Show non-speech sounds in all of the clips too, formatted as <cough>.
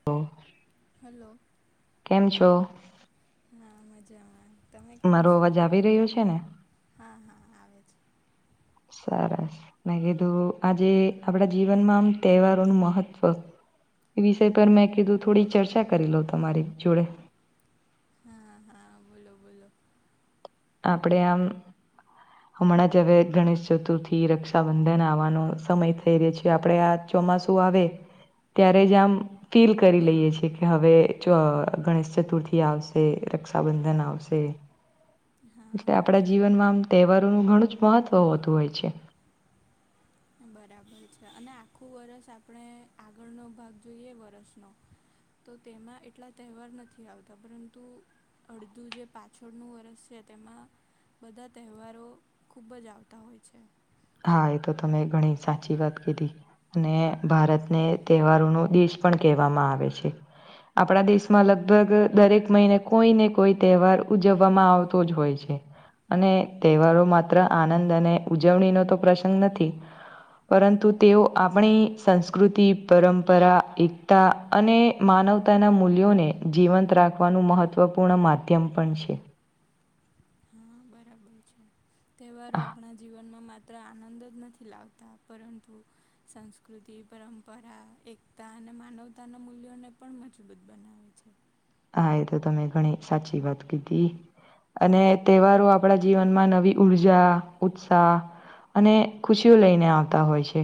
<unintelligible> Hello! કેમ છો? હા મજામાં તમે કેમ મારો છો? અવાજ આવી રહ્યો છે ને હા હા આવે છે. <inaudible> સરસ મેં કીધું આજે આપણા જીવનમાં આમ તહેવારોનું મહત્ત્વ એ વિષય પર મેં કીધું થોડી ચર્ચા કરી લઉ તમારી જોડે. હા હા બોલો બોલો? આપણે આમ હમણાં જ હવે ગણેશ ચતુર્થી, રક્ષાબંધન આવવાનો સમય થઈ રહ્યો છે, આપણે આ ચોમાસું આવે ત્યારે જ આમ ફીલ કરી લઈએ છીએ કે હવે જો ગણેશ ચતુર્થી આવશે રક્ષાબંધન આવશે હા એટલે આપણા જીવનમાં આમ તહેવારોનું ઘણું જ મહત્વ હોતું હોય છે. બરાબર છે, અને આખું વરસ આપણે આગળનો ભાગ જોઈએ વરષનો તો તેમાં એટલા તહેવાર નથી આવતા પરંતુ અડધું જે પાછળનું વરસ છે, તેમાં બધા તહેવારો ખૂબ જ આવતા હોય છે. હા એ તો તમે ઘણી સાચી વાત કીધી. અને ભારતને તહેવારોનો દેશ પણ કહેવામાં આવે છે. આપણા દેશમાં લગભગ દરેક મહિને કોઈ ને કોઈ તહેવાર ઉજવવામાં આવતો જ હોય છે. અને તહેવારો માત્ર આનંદ અને ઉજવણીનો તો પ્રસંગ નથી પરંતુ તેઓ આપણી સંસ્કૃતિ પરંપરા એકતા અને માનવતાના મૂલ્યોને જીવંત રાખવાનું મહત્ત્વપૂર્ણ માધ્યમ પણ છે. હા બરા. તહેવારો આપણા જીવનમાં માત્ર આનંદ જ નથી લાવતા પરંતુ સંસ્કૃતિ પરંપરા એકતા અને માનવતાના મૂલ્યોને પણ મજબૂત બનાવે છે. હા એ તો તમે ઘણી સાચી વાત કીધી. અને તહેવારો આપણા જીવનમાં નવી ઊર્જા ઉત્સાહ અને ખુશીઓ લઈને આવતા હોય છે.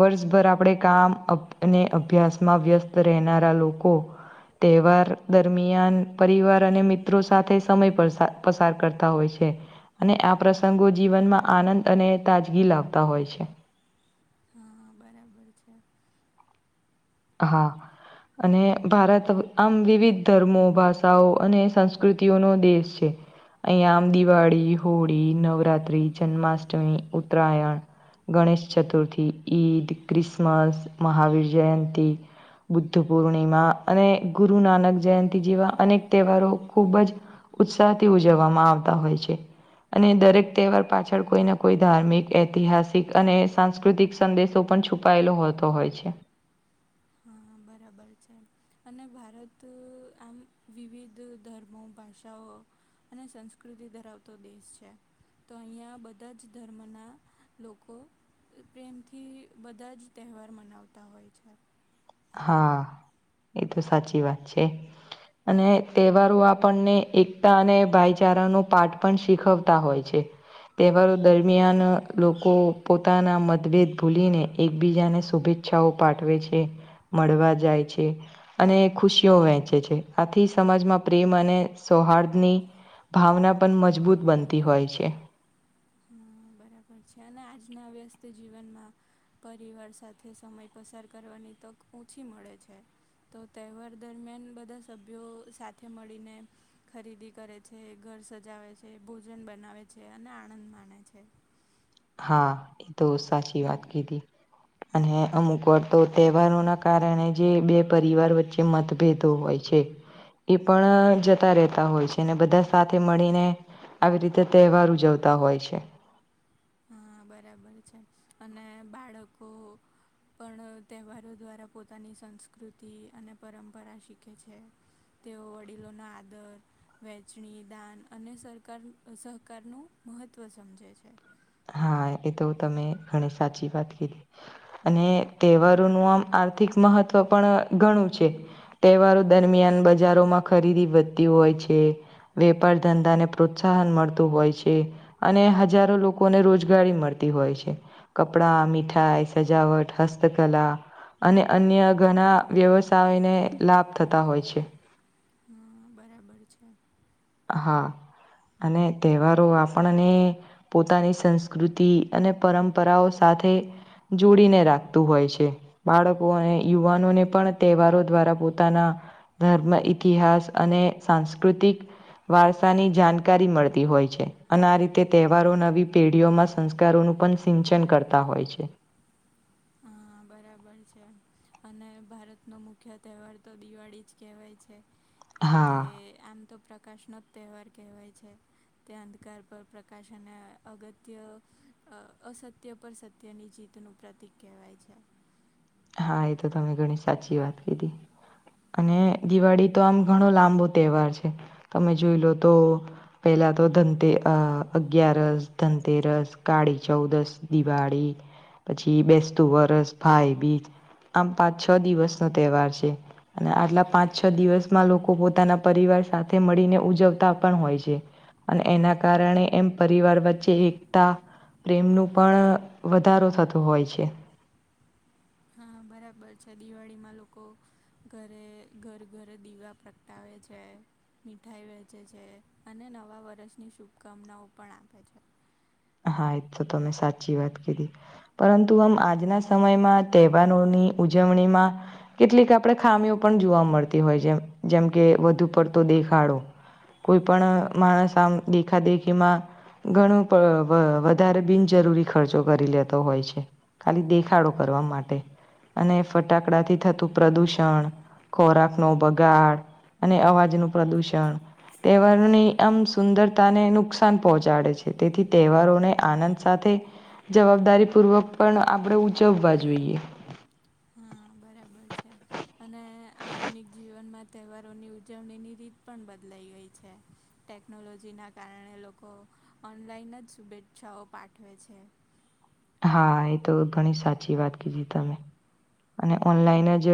વર્ષભર આપણે કામ અભ અને અભ્યાસ માં વ્યસ્ત રહેનારા લોકો તેહેવાર. દરમિયાન પરિવાર અને મિત્રો સાથે સમય પ પસાર કરતા હોય છે. અને આ પ્રસંગો જીવનમાં આનંદ અને તાજગી લાવતા હોય છે. હા બરાબર. બર છે. હા. અને ભારત આમ વિવિધ ધર્મો ભાષાઓ અને સંસ્કૃતિઓનો દેશ છે. અહીંયા આમ દિવાળી હોળી નવરાત્રિ જન્માષ્ટમી ઉત્તરાયણ ગણેશ ચતુર્થી ઈદ ક્રિસમસ મહાવીર જયંતી બુદ્ધ પૂર્ણિમા અને ગુરુ નાનક જયંતિ જેવા અનેક તહેવારો ખૂબ જ. ઉત્સાહથી ઉજવવામાં આવતા હોય છે. અને દરેક તહેવાર પાછળ કોઈ ના કોઈ ધાર્મિક ઐતિહાસિક અને સાંસ્કૃતિક સંદેશો પણ છુપાયેલો હોતો હોય છે. હા બરાબર છે. અને ભારત આમ વિવિધ ધર્મો ભાષાઓ અને સંસ્કૃતિ ધરાવતો દેશ છે તો અહીંયા બધા જ ધર્મના લોકો પ્રેમથી બધા જ તહેવાર મનાવતા હોય છે. હા એ તો સાચી વાત છે. અને તહેવારો આપણને એકતા અને ભાઈચારા નુ પાઠ પણ શીખવતા હોય છે. તહેવારો દરમિયાન લોકો પોતાના મતભેદ ભૂલીને એકબીજાને શુભેચ્છા ઈચ્છાઓ પાઠવે છે મળવા જાય છે. અને ખુશીઓ વહેંચે છે આથી સમાજમાં પ્રેમ અને સૌહાર્દની ભાવના પણ મજબૂત બનતી હોય છે. હમ બરાબર છે અને આજના વ્યસ્ત જીવનમાં પરિવાર સાથે સમય પસાર કરવાની તક ઓછી મળે છે. તો તહેવાર દરમિયાન બધા સભ્યો સાથે મળીને ખરીદી કરે છે ઘર સજાવે છે ભોજન બનાવે છે અને આનંદ માળે છે. હા એ તો સાચી વાત કીધી અને અમુક વાર તો તહેવારોના કારણે જે બે પરિવાર વચ્ચે મતભેદો હોય છે એ પણ જતા રહેતા હોય છે અને બધા સાથે મળીને આવી રીતે તહેવાર ઉજવતા હોય છે. હા બરાબર છે અને બાળકો પણ તહેવારો દ્વારા પોતાની સંસ્કૃતિ અને પરંપરા શીખે છે. તેઓ વડીલોના આદર વહેચણી દાન અને સરકાર સહકારનું મહત્ત્વ સમજે છે. હા એ તો તમે ઘણી સાચી વાત કીધી અને તહેવારોનું આમ આર્થિક મહત્ત્વ પણ ઘણું છે. તહેવારો દરમિયાન બજારોમાં ખરીદી વધતી હોય છે. વેપાર ધંધાને પ્રોત્સાહન મળતું હોય છે અને હજારો લોક કોને રોજગારી મળતી હોય છે કપડા મીઠાઈ સજાવટ હસ્તકલા અને અન્ય ઘણા વ્યવસાયોને લાભ થતા હોય છે. હમ્મ બરાબર છે. હા અને તહેવારો આપણને પોતાની સંસ્કૃતિ અને પરંપરાઓ સાથે જોડીને રાખતું હોય છે. બાળકો અને યુવાનોને પણ તહેવારો દ્વારા પોતાના ધર્મ ઇતિહાસ અને સાંસ્કૃતિક વારસાની જાણકારી મળતી હોય છે અને આ રીતે તહેવારો નવી પેઢીઓમાં સંસ્કારોનું પણ સિંચન કરતા હોય છે. હા બરાબર છે. અને ભારતનોો મુખ્ય તહેવાર તો દિવાળી જ કહેવાય છે તે હા આમ તો પ્રકાશનો જ તહેવાર કહેવાય છે. તે અંધકાર પર પ્રકાશ અને અગત્ય અસત્ય પર સત તેની જીતનું પ્રતિક કહેવાય છે. હા એ તો તમે ઘણી સાચી વાત કીધી અને દિવાળી તો આમ ઘણો લાંબો તહેવાર છે તમે જોઈ લો તો પહેલા તો ધનતેર અ અગિયારસ ધનતેરસ કાળી ચૌદસ દિવાળી પછી બેસતું વરસ ભાઈ બી આમ પાંચ છ દિવસનો તહેવાર છે. અને આટલા પાંચ છ દિવસમાં લોકો પોતાના પરિવાર સાથે મળીને ઉજવતા પણ હોય છે. અને હા એના કારણે એમ પરિવાર વચ્ચે એકતા પ્રેમનું પણ વધારો થતો હોય છે. હા બરાબર છે દિવાળીમાં લોકો ઘરે ઘર ઘરે દીવા પ્રગટાવે છે. મીઠાઈ વેચે છે અને નવા વર્ષની શુભકામનાઓ પણ આપે છે. હા એ તો તમે સાચી વાત કિધી પરંતુ આમ આજના સમયમાં તહેવારોની ઉજવણીમાં કેટલીક આપણે ખામીઓ પણ જોવા મળતી હોય જેમ જેમ કે વધુ પડતો દેખાડો કોઈ પણણ માણસ આમ દેખાદેખીમાં ઘણું વધારે બિનજરૂરી ખર્ચો કરી લેતો હોય છે. ખાલી દેખાડો કરવા માટે અને ફટાકડાથી થતું પ્રદુષણ ખોરાક નો બગાડ અને અવાજ નું પ્રદુષણ તહેવારોની આમ સુંદરતાને નુકસાન પહોંચાડે છે. તેથી તહેવારોને આનંદ સાથે જવાબદારી પૂર્વક પણ આપણે ઉજવવા જોઈએ હા બરાબર છે. અને આધુનિક જીવનમાં તહેવારોની ઉજવણીની રીત પણ બદલાઈ ગઈ છે. ટેકનોલોજીના કારણે લોકો ઓનલાઈન જ શુભેચ્છાઓ પાઠવે છે. હા એ તો ઘણી સાચી વાત કીધી તમે અને ઓનલાઈન જ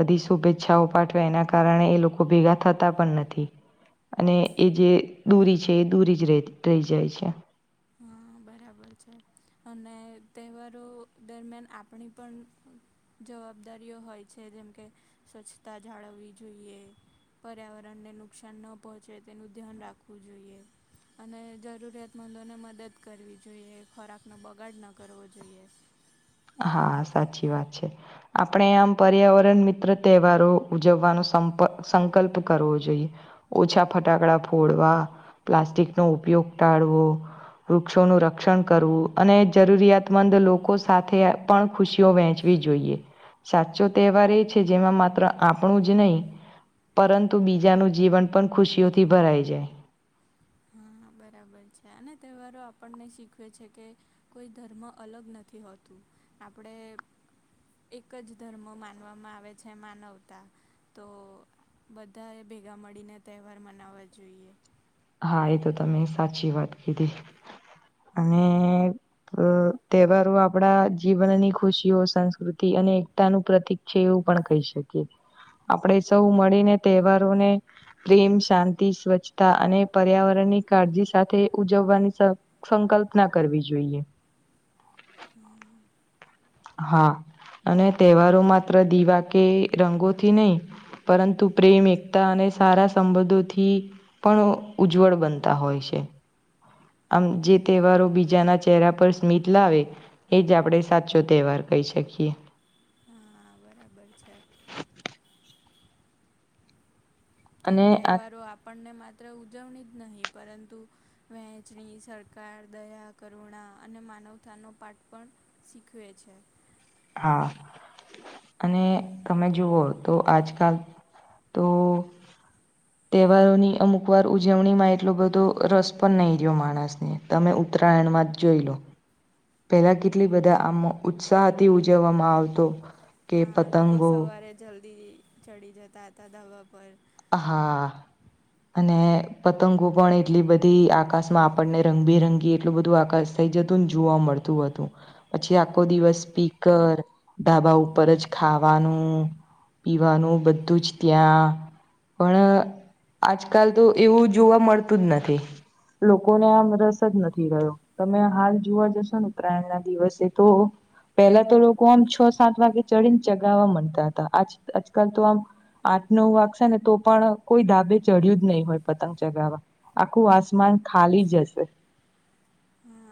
બધી શુભેચ્છાઓ પાઠવે એના કારણે એ લોકો ભેગા થતા પણ નથી. અને એ જે દૂરી છે એ દૂરી જ રે રહી જાય છે. હા બરાબર છે. અને તહેવારો દરમિયાન આપણી પણ જવાબદારીઓ હોય છે. જેમ કે સ્વચ્છતા જાળવવી જોઈએ. પર્યાવરણને નુકસાન ન પહોંચે તેનું ધ્યાન રાખવું જોઈએ. અને જરૂરિયાતમંદોને મદદ કરવી જોઈએ, ખોરાકનો બગાડ ન કરવો જોઈએ. હા સાચી વાત છે. આપણે આમ પર્યાવરણ મિત્ર તહેવારો ઉજવવાનો સંપ સંકલ્પ કરવો જોઈએ. ઓછા ફટાકડા ફોડવા, પ્લાસ્ટિકનો ઉપયોગ ટાળવો. વૃક્ષોનું રક્ષણ કરવું અને જરૂરિયાતમંદ લોકો સા સાથે પણ ખુશીઓ વહેંચવી જોઈએ. સાચો તહેવાર એ છે જેમાં માત્ર આપણું જ નહીં. પરંતુ બીજાનું જીવન પણ ખુશીઓથી ભરાઈ જાય. હા બરાબર છે. અને તહેવારો આપણને શીખવે છે કે કોઈ ધર્મ અલગ નથી હોતું. આપણે એક જ ધર્મ માનવામાં આવે છે માનવતા. તો બધાએ ભેગા મળીને તહેવાર મનાવવા જોઈએ. હા એ તો તમે સાચી વાત કીધી. અને અ તહેવારો આપણા જીવનની ખુશીઓ, સંસ્કૃતિ અનેક તાનું પ્રતિક છે એવું પણ કહી શકીએ. આપણે સૌ મળીને તહેવારોને પ્રેમ, શાંતિ, સ્વચ્છતા અને પર્યાવરણની કાળજી સાથે ઉજવવાની સ સંકલ્પના કરવી જોઈએ. હા અને તહેવારો માત્ર દિવા કે રંગોથી નહી. પરંતુ પ્રેમ, એકતા અને સારા સંબંધોથી પણ ઉજ્જવળ બનતા હોય છે. આમ જે તહેવારો બીજાના ચહેરા પર સ્મિત લાવે એ જ આપણે સાચ ચો તહેવાર કહી શકીએ. હા બરાબર છે. આમ અને આ તહેવારો આપણને માત્ર ઉજવણી જ નહીં પરંતુ વહેંચણી, સરકાર, દયા, કરુણા અને માનવતાનો પાઠ પણ શીખવે છે. હા અને તમે જુઓ તો આજકાલ તો તહેવારોની અમુક વાર ઉજવણીમાં એટલો બધો રસ પણ નહી રહયો માણસને. તમે ઉત્તરાયણમાં જ જોઈ લો. પેલા કેટલી બધા આમ ઉત્સાહથી ઉજવવામાં આવતો. કે હા લોકો પતંગો સવારે જલ્દી ચડી જતા હતા ધાબા પર. હા અને પતંગો પણ એટલી બધી આકાશમાં આપણને રંગબેરંગી એટલું બધું આકાશ. થઈ જતું ન જોવા મળતું હતું. પછી આખો દિવસ સ્પીકર, ધાબા ઉપર જ ખાવાનું. પીવાનું બધું જ ત્યાં. પણ આજકાલ તો એવું જોવા મળતું જ નથી. લોકોને આમ રસ જ નથી રહ્યો. તમે હાલ જોવા જશો ને ઉતરાયણના દિવસે તો પેલા તો લોકો આમ છ સાત વાગે ચડીને ચગાવવા માંડતા હતા. આજ આજકાલ તો આમ આઠ, નવ વાગશે ને તો પણ કોઈ ધાબે ચડ્યું જ નહી હોય પતંગ ચગાવવા, આખું આસમાન ખાલી જ હશે.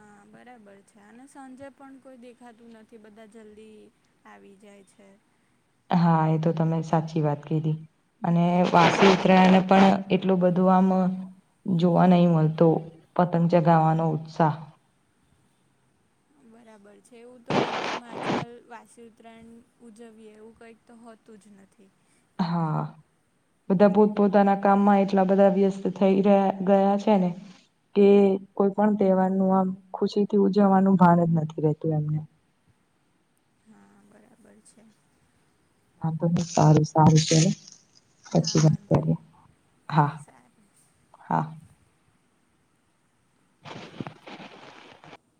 હા બરાબર છે. અને સાંજે પણ કોઈ દેખાતું નથી બધા જલ્દી આવી જાય છે. હા એ તો તમે સાચી વાત કીધી. અને વાસી ઉત્તરાયણને પણ એટલું બધું આમ જોવા નહીં મળતો પતંગ ચગાવાનો ઉત્સાહ. બરાબર છે એવું તો લોકોમાં આજકાલ વાસી ઉત્તરાયણ ઉજવીએ એવું કંઈક તો હોત તું જ નથી. હા. બધા પોત પોતાના કામમાં એટલા બધા વ્યસ્ત થઈ રહ્યા ગયા છે, ને. કે કોઈ પણ તહેવાર નું આમ, ખુશી થી ઉજવવાનું ભાન જ નથી રેતું એમને. હા, બરાબર છે. હા, સારું સારું ચલો. હા પછી વાત વાંધો કરીએ, નહીં હા, સારું હા.